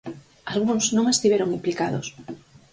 Algúns non estiveron implicados.